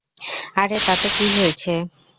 আরে তাতে কি হয়েছে।